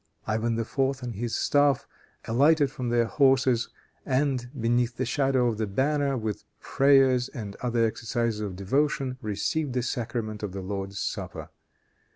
Ivan IV. and his staff alighted from their horses, and, beneath the shadow of the banner, with prayers and other exercises of devotion, received the sacrament of the Lord's Supper.